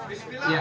oke terima kasih